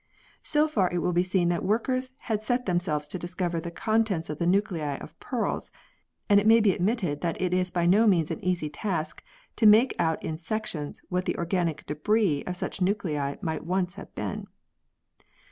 So far, it will be seen that workers had set themselves to discover the contents of the nuclei of pearls, and it may be admitted that it is by no means an easy task to make out in sections what the organic debris of such nuclei might once have been.